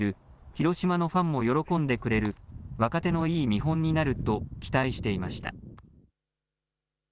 広島のファンも喜んでくれる、若手のいい見本になると期待していました。